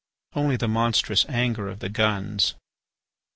Only the monstrous anger of the guns.